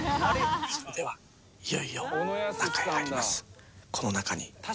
「ではいよいよ中へ入ります」